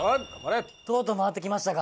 とうとう回ってきましたか。